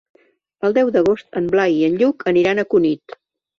El deu d'agost en Blai i en Lluc aniran a Cunit.